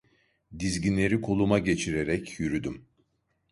Dizginleri koluma geçirerek yürüdüm.